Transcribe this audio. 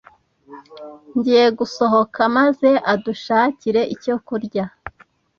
Ngiye gusohoka maze adushakire icyo kurya.